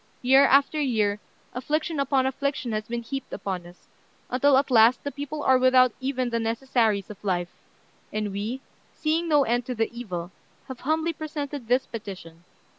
Year after year, affliction upon affliction has been heaped upon us, until at last the people are without even the necessaries of life; and we, seeing no end to the evil, have humbly presented this petition.